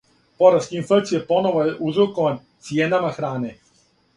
Пораст инфлације поновно је узрокован цијенама хране.